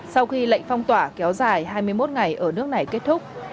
sau khi lệnh phong tỏa kéo dài hai mươi một ngày ở nước này kết thúc